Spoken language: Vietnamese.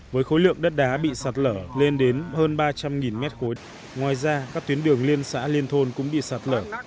với khối lượng đất đá bị sạt lở lên đến hơn ba trăm linh m ba ngoài ra các tuyến đường liên xã liên thôn cũng bị sạt lở